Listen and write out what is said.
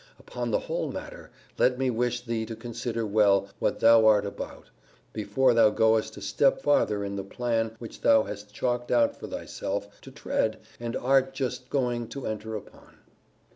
Upon the whole matter, let me wish thee to consider well what thou art about, before thou goest a step farther in the path which thou hast chalked out for thyself to tread, and art just going to enter upon.